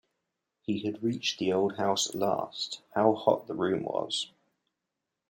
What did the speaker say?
He had reached the old house at last — how hot the room was.